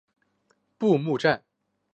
布目站。